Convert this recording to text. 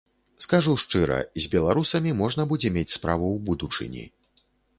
Скажу шчыра, з беларусамі можна будзе мець справу ў будучыні.